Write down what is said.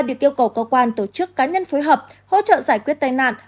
được yêu cầu cơ quan tổ chức cá nhân phối hợp hỗ trợ giải quyết tai nạn